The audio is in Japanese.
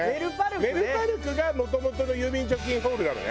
メルパルクがもともとの郵便貯金ホールなのね？